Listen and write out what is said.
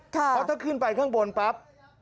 เพราะถ้าขึ้นไปข้างบนปั๊บ